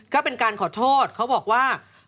ก็เป็นการขอโทษเขาบอกว่า